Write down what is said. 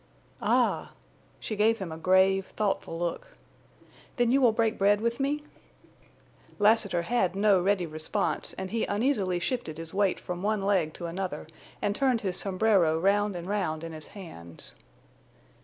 "Ah!" She gave him a grave, thoughtful look. "Then you will break bread with me?" Lassiter had no ready response, and he uneasily shifted his weight from one leg to another, and turned his sombrero round and round in his hands.